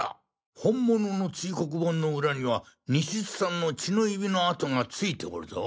本物の堆黒盆のウラには西津さんの血の指の跡が付いておるぞ！